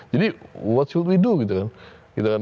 jadi apa yang harus kita lakukan